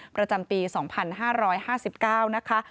ประจำปี๒๕๕๙นะคะ